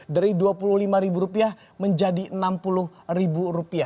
dari rp dua puluh lima menjadi rp enam puluh